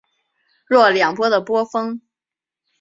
若两波的波峰。